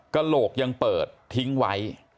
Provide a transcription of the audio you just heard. กระโหลกยังเปิดทิ้งไว้